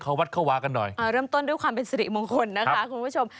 วัดเข้าวากันหน่อยอ่าเริ่มต้นด้วยความเป็นสิริมงคลนะคะคุณผู้ชม